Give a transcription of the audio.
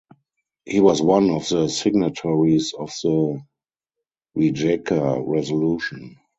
He was one of the signatories of the Rijeka resolution.